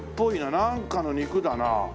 なんかの肉だな。